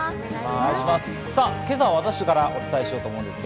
今朝は私からお伝えします。